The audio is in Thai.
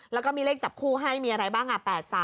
แล้วก็มีเลขจับคู่ให้มีอะไรบ้าง๘๓